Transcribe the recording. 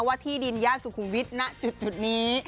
ว่าที่ดินยาสุคุมวิทย์นะจุดนี้